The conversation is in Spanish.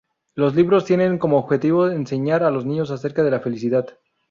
Los libros tienen como objetivo enseñar a los niños acerca de la felicidad.